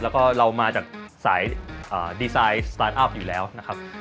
แล้วก็เรามาจากสายดีไซน์สตาร์ทอัพอยู่แล้วนะครับ